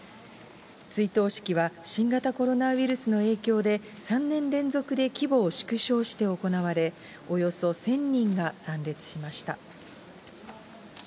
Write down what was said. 追悼式は、新型コロナウイルスの影響で、３年連続で規模を縮小して行われ、およそ１０００人が参列しました。